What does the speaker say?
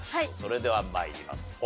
それでは参ります。